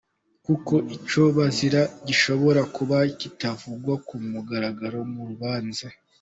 Kuko icyo bazira gishobora kuba kitavugwa ku mugaragaro mu rubanza.